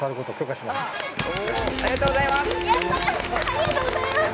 ありがとうございます！